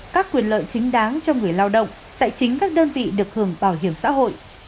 các quyền lợi chính đáng cho người lao động tại chính các đơn vị được hưởng bảo hiểm xã hội